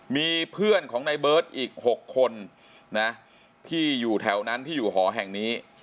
มีเพื่อนของในเบิร์ตอีก๖คนนะที่อยู่แถวนั้นที่อยู่หอแห่งนี้